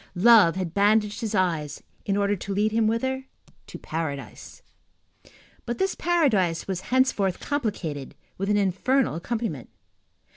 Love had bandaged his eyes, in order to lead him whither? To paradise. But this paradise was henceforth complicated with an infernal accompaniment.